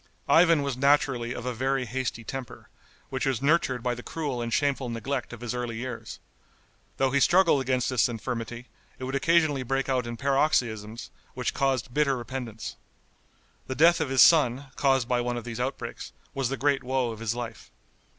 Ivan was naturally of a very hasty temper, which was nurtured by the cruel and shameful neglect of his early years. Though he struggled against this infirmity, it would occasionally break out in paroxysms which caused bitter repentance. The death of his son, caused by one of these outbreaks, was the great woe of his life.